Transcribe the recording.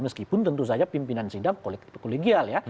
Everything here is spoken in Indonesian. meskipun tentu saja pimpinan sidang kolegial ya